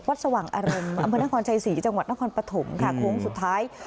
สว่างอารมณ์อำเภอนครชัยศรีจังหวัดนครปฐมค่ะโค้งสุดท้าย